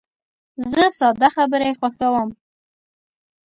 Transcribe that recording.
زه ساده خبرې خوښوم.